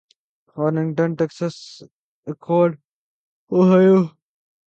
Arlington Texas Akron Ohio